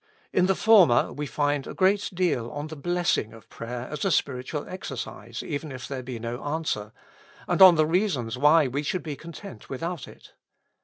In the former we find a great deal on the blessing of prayer as a spiritual exercise even if there be no answer, and on the reasons why we should be content without it.